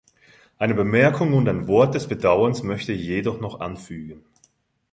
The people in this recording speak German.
Eine Bemerkung und ein Wort des Bedauerns möchte ich jedoch noch anfügen.